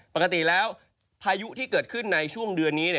ปกติแล้วพายุที่เกิดขึ้นในช่วงเดือนนี้